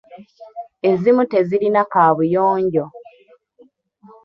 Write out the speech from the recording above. Ezimu tezirina kaabuyonja.